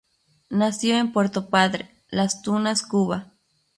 Nació en Puerto Padre, Las Tunas, Cuba.